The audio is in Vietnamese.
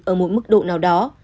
ở mỗi mức độ nào đó